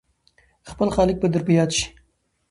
خپل خالق به در په ياد شي !